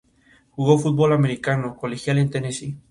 Jugó fútbol americano colegial en Tennessee.